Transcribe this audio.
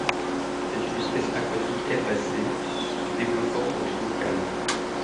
C'est une espèce aquatique herbacée se développant dans les eaux calmes.